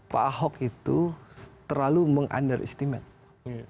pak ahok itu terlalu meng underestimate